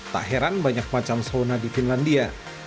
tak heran banyak macam sauna di finlandia